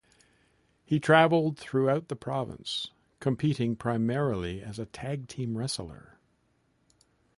He traveled throughout the province, competing primarily as a tag team wrestler.